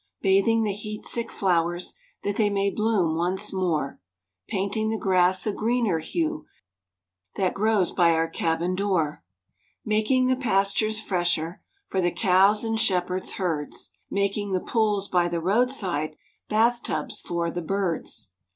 Bathing the heat sick flowers That they may bloom once more; Painting the grass a greener hue, That grows by our cabin door; Making the pastures fresher, For the cows and shepherd's herds, Making the pools by the road side,— Bath tubs for the birds.